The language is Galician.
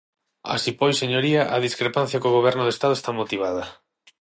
Así pois, señoría, a discrepancia co Goberno do Estado está motivada.